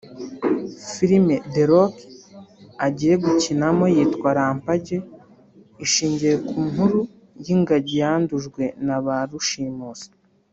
Filime ’The Rock’ agiye gukinamo yitwa ’Rampage’ ishingiye ku nkuru y’ingagi yandujwe na ba rushimusi